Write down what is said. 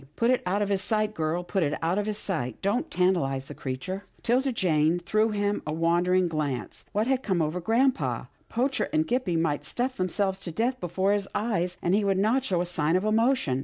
" Put it out of his sight, girl, put it out of his sight. Don't tantalize the creature." 'Tilda Jane threw him a wondering glance. What had come over grampa ? Poacher and Gippie might stuff themselves to death before his eyes, and he would not show a sign of emotion.